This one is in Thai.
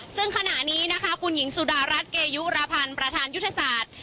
ซึ่งขณะนี้นะคะคุณหญิงสุดารัฐเกยุรพันธ์ประธานยุทธศาสตร์